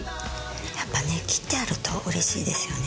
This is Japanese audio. やっぱね切ってあるとうれしいですよね。